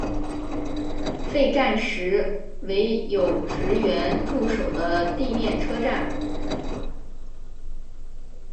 废站时为有职员驻守的地面车站。